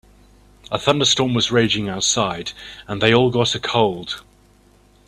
A thunderstorm was raging outside and they all got a cold.